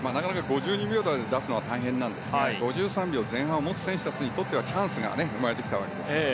５２秒台を出すのは大変なんですが５３秒前半を持つ選手たちにとってはチャンスが生まれてきたわけですね。